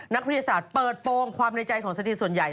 นักวิทยาศาสตร์เปิดโปรงความในใจของสถีส่วนใหญ่